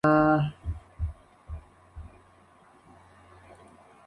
Posteriormente se organizaría la Supercopa de Campeones Intercontinentales.